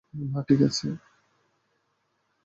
নাহ, ঠিক আছে।